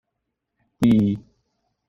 第一